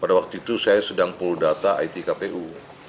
pada waktu itu saya sedang pool data itkpu